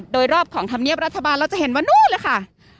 โดยรอบของธรรมเนียบรัฐบาลเราจะเห็นว่านู่นเลยค่ะ